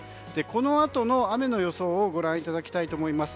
このあとの雨の予想をご覧いただきたいと思います。